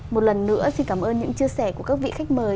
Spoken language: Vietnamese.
một lần nữa xin cảm ơn những chia sẻ của các vị khách mời